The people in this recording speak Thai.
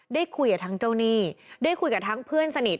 ได้คุยกับทั้งเจ้าหนี้ได้คุยกับทั้งเพื่อนสนิท